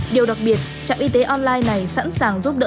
điều đặc biệt trạm y tế online này sẵn sàng giúp đỡ